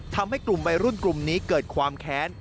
ทำให้กลุ่มวัยรุ่นกลุ่มนี้เกิดความแค้น